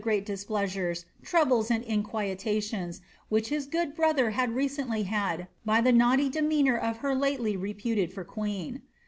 313 peat displeasares, troubles, and inquietations, which his good bi other had recently had by the naughty demeanour of her lately reputed for <jueen."